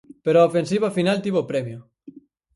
Pero a ofensiva final tivo premio.